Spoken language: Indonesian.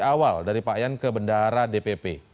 awal dari pak yan ke bendara dpp